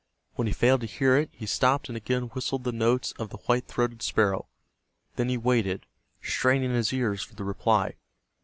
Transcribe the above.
When he failed to hear it, he stopped and again whistled the notes of the white throated sparrow. Then he waited, straining his ears for the reply.